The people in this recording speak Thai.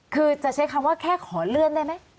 คือจะใช้คำว่าแค่ขอเลื่อนได้ไหม